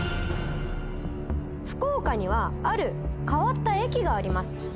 福岡にはある変わった駅があります。